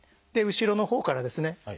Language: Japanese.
後ろのほうからですね